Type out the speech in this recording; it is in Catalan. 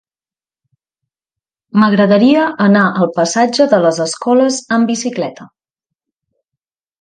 M'agradaria anar al passatge de les Escoles amb bicicleta.